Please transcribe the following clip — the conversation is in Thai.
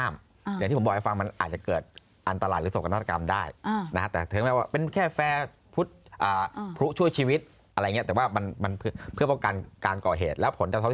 ไม่ต้องคุยกันหรอกนะฮะ